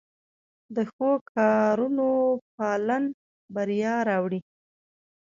د ښو کارونو پالن بریا راوړي.